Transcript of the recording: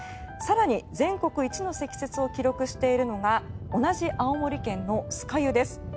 更に、全国一の積雪を記録しているのが同じ青森県の酸ケ湯です。